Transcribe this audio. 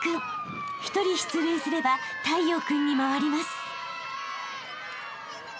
［１人出塁すれば太陽君に回ります］